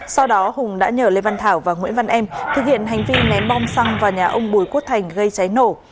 sau đó hùng đã nhờ lê văn thảo và nguyễn văn em thực hiện hành vi ném bom xăng vào nhà ông bùi quốc thành gây cháy nổ